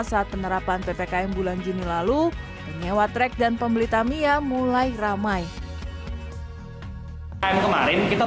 saat penerapan ppkm bulan juni lalu penyewa trek dan pembeli tamiya mulai ramai kemarin kita